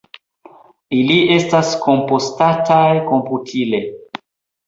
Ili estis kompostataj komputile.